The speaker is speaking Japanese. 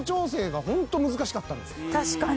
確かに。